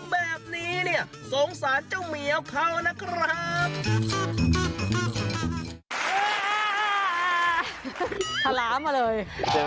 แบบนี้เนี่ยสงสารเจ้าเหมียวเขานะครับ